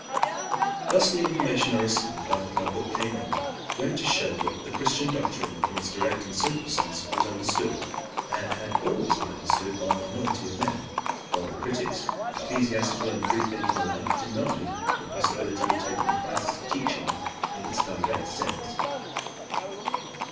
Thus the information I received, after my book came out, went to show that the Christian doctrine, in its direct and simple sense, was understood, and had always been understood, by a minority of men, while the critics, ecclesiastical and freethinking alike, denied the possibility of taking Christ's teaching in its direct sense.